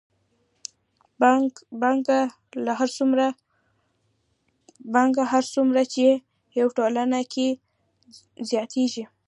پانګه هر څومره چې په ټولنه کې زیاتېږي